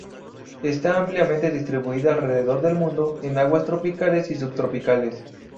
Está ampliamente distribuida alrededor del mundo, en aguas tropicales y subtropicales.